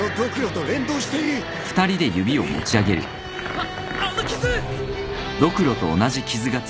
ああの傷！